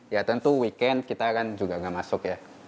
ya tentu weekend kita kan juga nggak masuk ya